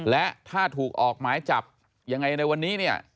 และถ้าถูกออกหมายจับยังไงในวันนี้เนี่ย